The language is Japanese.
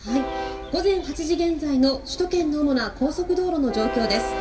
午前８時現在の首都圏の主な高速道路の状況です。